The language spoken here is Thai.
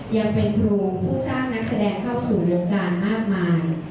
ยังเป็นครูผู้สร้างนักแสดงเข้าสู่วงการมากมาย